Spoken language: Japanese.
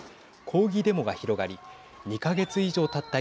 抗議デモが広がり２か月以上たった